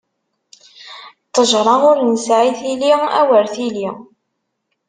Ṭṭejṛa ur nesɛi tili, awer tili!